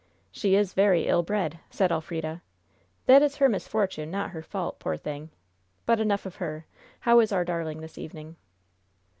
"She is very ill bred!" said Elfrida. "That is her misfortune, not her fault, poor thing! But enough of her. How is our darling this evening?"